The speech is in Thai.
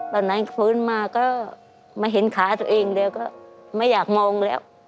ตอนนั้นฟื้นมาก็มาเห็นขาตัวเองแล้วก็ไม่อยากมองแล้ว